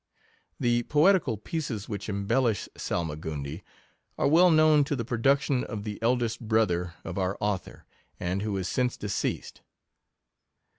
The poetical pieces which embellish Salmagundi, are well known to be the production of the eldest brother of our author, and who is since deceased.